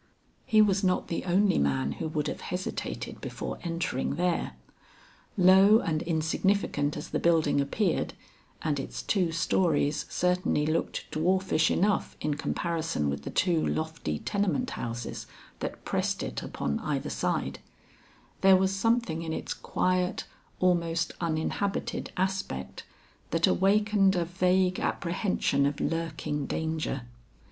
He was not the only man who would have hesitated before entering there. Low and insignificant as the building appeared and its two stories certainly looked dwarfish enough in comparison with the two lofty tenement houses that pressed it upon either side there was something in its quiet, almost uninhabited aspect that awakened a vague apprehension of lurking danger.